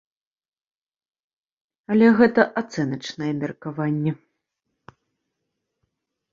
Але гэта ацэначнае меркаванне.